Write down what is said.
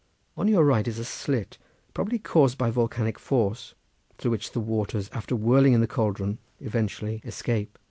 On your right is a slit, probably caused by volcanic force, through which the waters after whirling in the cauldron eventually escape.